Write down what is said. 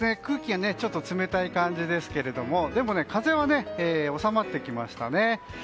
空気がちょっと冷たい感じですけどもでも風は収まってきましたね。